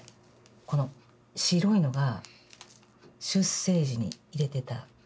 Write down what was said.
この白いのが出生時に入れてた義眼です。